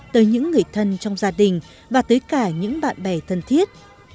tới những người thân trong gia đình và tới cả những bạn bè thân thiết